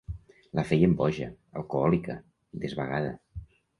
La feien boja, alcohòlica, desvagada.